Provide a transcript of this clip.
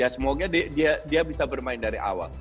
semoga dia bisa bermain dari awal